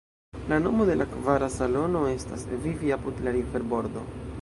La nomo de la kvara salono estas "Vivi apud la riverbordo".